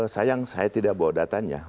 sayang saya tidak bawa datanya